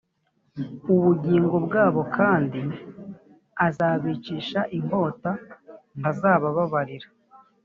ubugingo bwabo kandi azabicisha inkota ntazabababarira